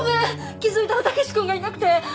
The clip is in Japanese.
気づいたら武志くんがいなくて！